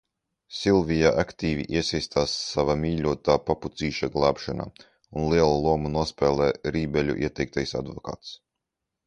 Silvija aktīvi iesaistās sava mīļotā papucīša glābšanā, un lielu lomu nospēlē Rībeļu ieteiktais advokāts.